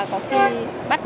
có khi bắt nhận